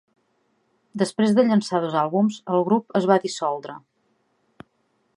Després de llançar dos àlbums, el grup es va dissoldre.